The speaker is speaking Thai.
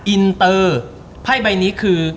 อินเตอร์ไพ่ใบนี้คือ